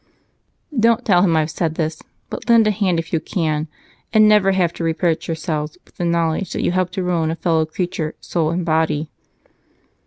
Don't tell him I've said this, but lend a hand if you can, and never have to reproach yourselves with the knowledge that you helped to ruin a fellow creature, soul and body."